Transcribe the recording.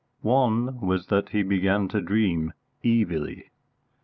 One was that he began to dream evilly.